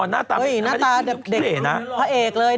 หน้าตาพอเอกเลยเด็กสมัยใหม่เลย